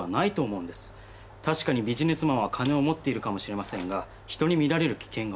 確かにビジネスマンは金を持っているかもしれませんが人に見られる危険が大きすぎる。